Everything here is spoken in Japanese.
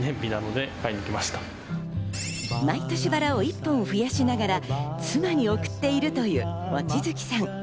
毎年、バラを１本増やしながら妻に贈っているという望月さん。